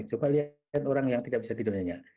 coba lihat orang yang tidak bisa tidurnya